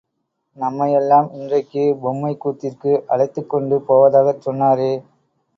நம்மையெல்லாம் இன்றைக்குப் பொம்மைக்கூத்திற்கு அழைத்துக் கொண்டு போவதாகச் சொன்னாரே!